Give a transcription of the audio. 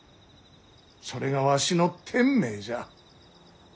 それがわしの天命じゃ。